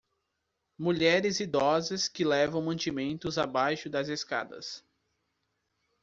Mulheres idosas que levam mantimentos abaixo das escadas.